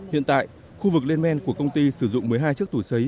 hiện tại khu vực lên men của công ty sử dụng một mươi hai chiếc tủ xấy